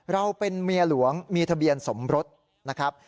เราเป็นเมียหลวงมีทะเบียนสมรสนะครับ